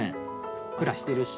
ふっくらしてるし。